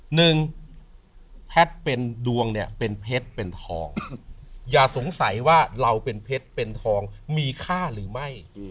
หนึ่งแพทย์เป็นดวงเนี่ยเป็นเพชรเป็นทองอย่าสงสัยว่าเราเป็นเพชรเป็นทองมีค่าหรือไม่